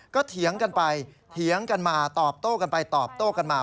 ก็เถียงกันไปเถียงกันมาตอบโต้กันไปตอบโต้กันมา